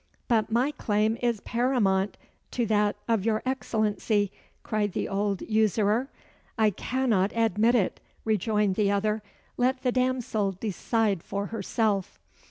"But my claim is paramount to that of your Excellency," cried the old usurer. "I cannot admit it," rejoined the other. "Let the damsel decide for herself."